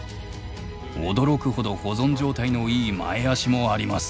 驚くほど保存状態のいい前あしもあります。